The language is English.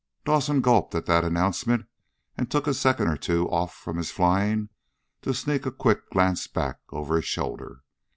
Dawson gulped at that announcement and took a second or two off from his flying to sneak a quick glance back over his shoulder.